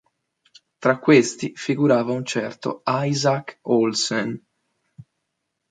Tra questi, figurava un certo Isaac Olsen.